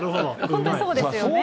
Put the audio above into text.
本当にそうですよね。